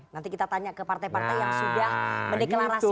nanti kita tanya ke partai partai yang sudah mendeklarasikan